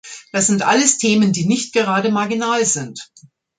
Das sind alles Themen, die nicht gerade marginal sind.